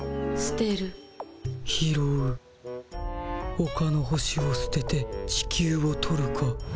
ほかの星をすてて地球を取るか。